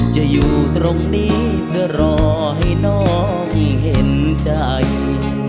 อยู่ตรงนี้เพื่อรอให้น้องเห็นใจ